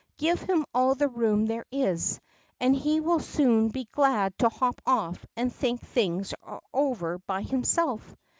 Give him all the room there is^ and he will soon he glad to hop off and think things over by himself.